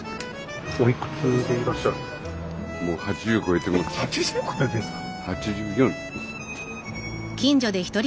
えっ８０超えてるんですか。